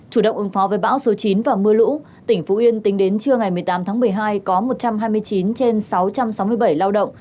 chủ động ứng phó với bão số chín và mưa lũ tỉnh phú yên tính đến trưa ngày một mươi tám tháng một mươi hai có một trăm hai mươi chín trên sáu trăm sáu mươi bảy lao động